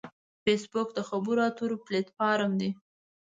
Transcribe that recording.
فېسبوک د خبرو اترو پلیټ فارم دی